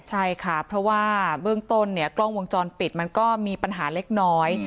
ใช่ค่ะเพราะว่าเบื้องต้นเนี่ยกล้องวงจรปิดมันก็มีปัญหาเล็กน้อย